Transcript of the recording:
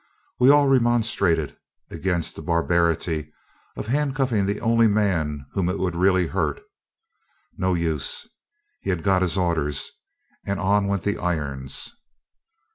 We all remonstrated against the barbarity of handcuffing the only man whom it would really hurt. No use: he had got his orders, and on went the irons.